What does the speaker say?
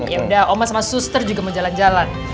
yaudah oma sama suster juga mau jalan jalan